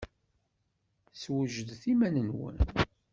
Swejdet iman-nwen!